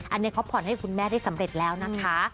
อันนี้เขาผ่อนให้คุณแม่ได้สำเร็จแล้วนะคะ